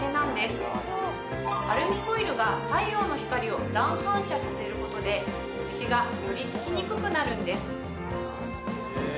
アルミホイルが太陽の光を乱反射させることで虫が寄り付きにくくなるんです。